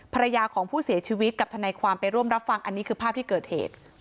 ภรรยาของผู้เสียชีวิตกับทนายความไปร่วมรับฟังอันนี้คือภาพที่เกิดเหตุ